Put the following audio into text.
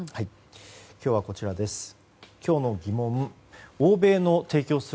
今日はこちらです。